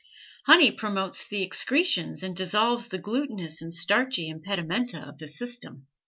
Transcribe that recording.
Honey promotes the excretions and dissolves the glutinous and starchy impedimenta of the system.